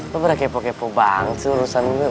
lo berapa kepo kepo banget sih urusan lo